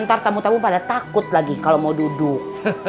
ntar tamu tamu pada takut lagi kalau mau duduk